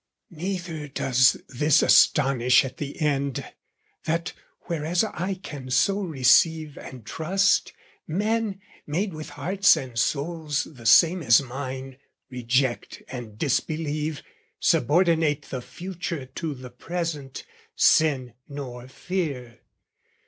Neither does this astonish at the end, That, whereas I can so receive and trust, Men, made with hearts and souls the same as mine, Reject and disbelieve, subordinate The future to the present, sin, nor fear.